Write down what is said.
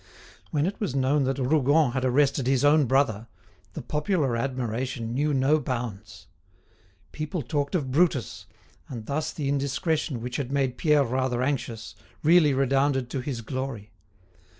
When it was known that Rougon had arrested his own brother, the popular admiration knew no bounds. People talked of Brutus, and thus the indiscretion which had made Pierre rather anxious, really redounded to his glory.